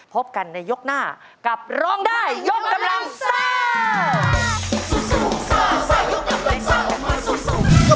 พบกันในยกหน้ากับร้องได้ยกกำลังซ่า